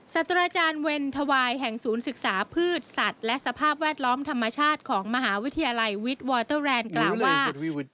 สัตว์อาจารย์เวรธวายแห่งศูนย์ศึกษาพืชสัตว์และสภาพแวดล้อมธรรมชาติของมหาวิทยาลัยวิทย์วอเตอร์แลนด์กล่าวว่า